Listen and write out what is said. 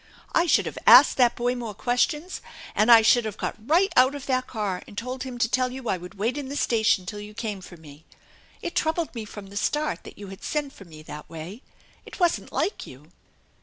I should have asked that boy more questions, and I should have got right out of that car and told him to tell you I would wait in the station till you came for me. It troubled me from the start that you had sent for me that way. It wasn't like you."